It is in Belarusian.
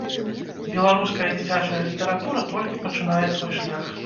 Беларуская дзіцячая літаратура толькі пачынае свой шлях.